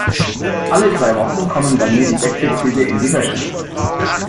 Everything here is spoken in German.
Alle drei Wochen kommen bei mir die Bettbezüge in die Wäsche.